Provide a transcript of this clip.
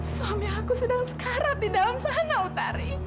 suami aku sedang karat di dalam sana utari